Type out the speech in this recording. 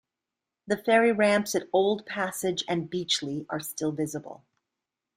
The ferry ramps at Old Passage and Beachley are still visible.